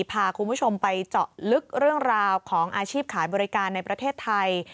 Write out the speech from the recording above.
พาคุณผู้ชมไปเจาะลึกเรื่องราวของอาชีพขายบริการในประเทศไทย